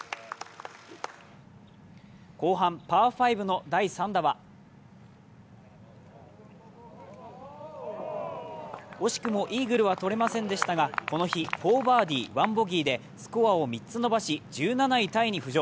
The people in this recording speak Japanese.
後半、パー５の第３打は惜しくもイーグルはとれませんでしたが、この日、４バーディー１ボギーでスコアを３つ伸ばし、１７位タイに浮上。